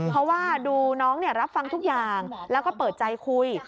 เพราะว่าดูน้องรับฟังทุกอย่างแล้วก็เปิดใจคุย